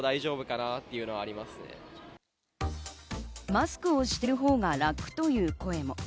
マスクをしているほうが楽という声も。